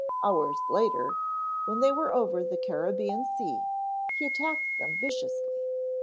Hours later, when they were over the Caribbean Sea, he attacked them viciously.